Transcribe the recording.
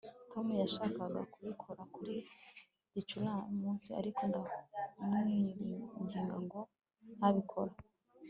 tom yashakaga kubikora kuri iki gicamunsi, ariko ndamwinginga ngo ntabikora